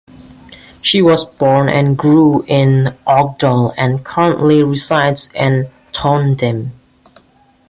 She was born and grew up in Orkdal, and currently resides in Trondheim.